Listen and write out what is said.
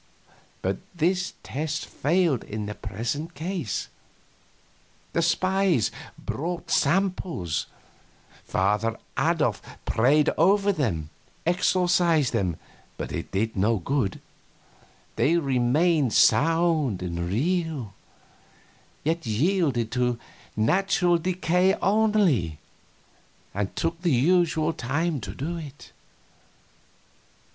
But this test failed in the present case. The spies brought samples: Father Adolf prayed over them, exorcised them, but it did no good; they remained sound and real, they yielded to natural decay only, and took the usual time to do it.